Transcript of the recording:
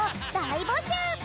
いぼしゅう！